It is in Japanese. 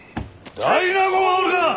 大納言はおるか！